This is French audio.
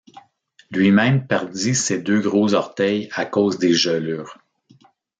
Lui-même perdit ses deux gros orteils à cause de gelures.